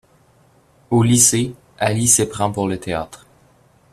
Au lycée, Allie s'éprend pour le théâtre.